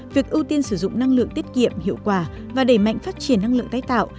việc ưu tiên sử dụng năng lượng tiết kiệm hiệu quả và đẩy mạnh phát triển năng lượng tái tạo